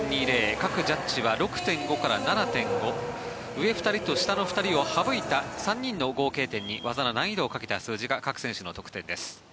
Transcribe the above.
各ジャッジは６．５から７．５上の２人と下の２人を省いた３人の合計点に技の難易度を掛けた得点が各選手の得点です。